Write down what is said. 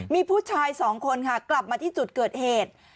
มีผู้ชายสองคนค่ะกลับมาที่จุดเกิดเหตุ